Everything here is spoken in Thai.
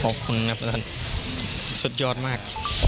ขอบคุณครับท่านสุดยอดมาก